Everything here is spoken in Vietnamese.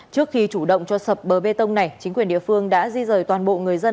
trước khi chủ động cho sập bờ bê tông này chính quyền địa phương đã di rời toàn bộ người dân